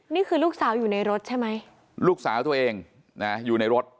นี่คือลูกสาวอยู่ในรถใช่ไหมลูกสาวตัวเองนะอยู่ในรถ